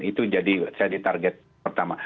itu jadi target pertama